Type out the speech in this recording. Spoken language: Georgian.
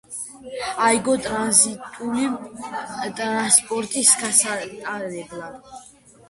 აიგო ტრანზიტული ტრანსპორტის გასატარებლად.